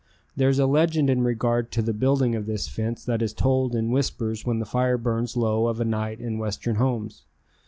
There is a legend in regard to the building of this fence that is told in whispers when the fire burns low of a night in western homes.